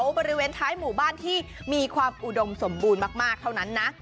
บริเวณท้ายหมู่บ้านที่มีความอุดมสมบูรณ์มากเท่านั้นนะ